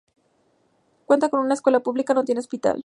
Cuenta con una escuela pública, no tiene hospital.